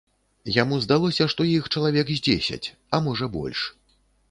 Яму здалося, што іх чалавек з дзесяць, а можа, больш.